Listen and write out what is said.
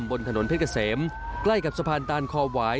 บนถนนเพชรเกษมใกล้กับสะพานตานคอหวาย